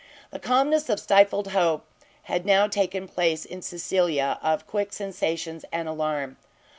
The calmness of stifled hope had now taken place in Cecilia of quick sensations and alarm.